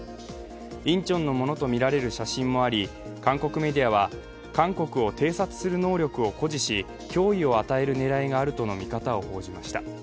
インチョンのものとみられる写真もあり韓国メディアは、韓国を偵察する能力を誇示し脅威を与える狙いがあるとの見方を報じました。